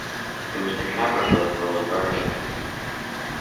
It was the capital of the Liburnians.